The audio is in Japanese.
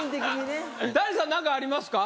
谷さん何かありますか？